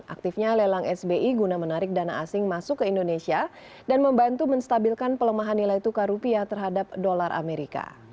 aktifnya lelang sbi guna menarik dana asing masuk ke indonesia dan membantu menstabilkan pelemahan nilai tukar rupiah terhadap dolar amerika